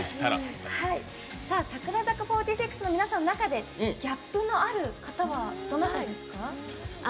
櫻坂４６の皆さんの中でギャップのある方はどなたですか？